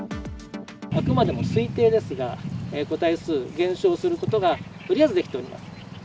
あくまでも推定ですが、個体数減少することが、とりあえずできております。